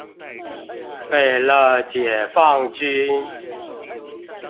給了解放軍